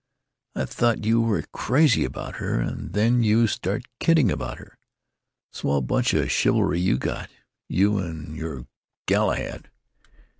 "I thought you were crazy about her, and then you start kidding about her! A swell bunch of chivalry you got, you and your Galahad!